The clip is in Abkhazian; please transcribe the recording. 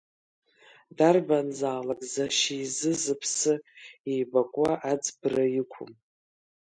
Дарбанзаалакь зашьа изы зыԥсы еибакуа аӡбра иқәуп…